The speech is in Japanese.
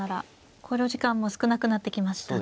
考慮時間も少なくなってきましたね。